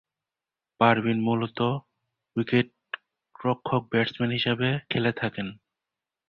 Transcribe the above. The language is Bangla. পারভিন মূলতঃ উইকেটরক্ষক-ব্যাটসম্যান হিসেবে খেলে থাকেন।